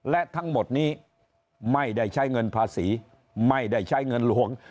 และทั้งหมดนี้ไม่ได้ใช้เงินภาษีไม่ได้ใช้เงินหลวง